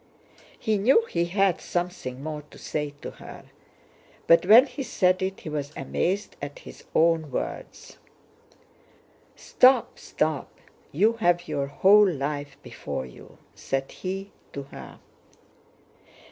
He knew he had something more to say to her. But when he said it he was amazed at his own words. "Stop, stop! You have your whole life before you," said he to her.